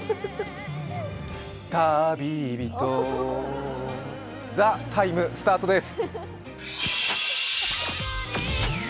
旅人「ＴＨＥＴＩＭＥ，」、スタートです。